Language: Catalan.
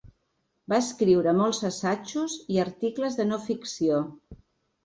Va escriure molts assajos i articles de no ficció.